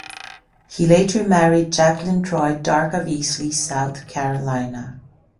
He later married Jacolyn Troy Dark of Easley, South Carolina.